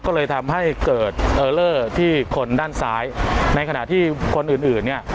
ก็เลยทำให้เกิดเออเลอร์ที่คนด้านซ้ายในขณะที่คนอื่นอื่นเนี่ย